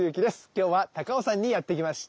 今日は高尾山にやって来ました。